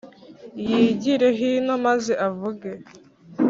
yigire hino maze avuge.